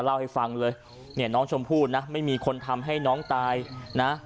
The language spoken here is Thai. เล่าให้ฟังเลยเนี่ยน้องชมพู่นะไม่มีคนทำให้น้องตายนะ